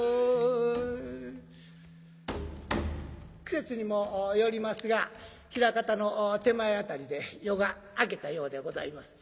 季節にもよりますが枚方の手前辺りで夜が明けたようでございます。